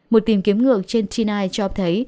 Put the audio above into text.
một tìm kiếm ngược trên t chín cho thấy